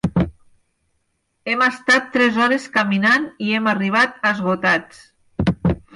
Hem estat tres hores caminant i hem arribat esgotats.